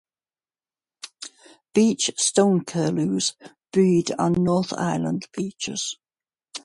Beach stone-curlews breed on North Island beaches.